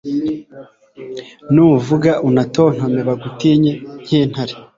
Nuvuga unatontome Bagutinye nkintare